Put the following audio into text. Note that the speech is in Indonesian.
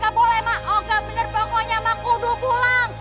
kagak boleh mak o gak bener pokoknya mak udah pulang